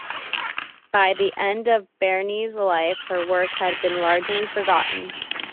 By the end of Barney's life her work had been largely forgotten.